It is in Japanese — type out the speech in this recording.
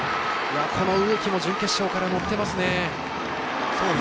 この植木も準決勝から乗っていますね。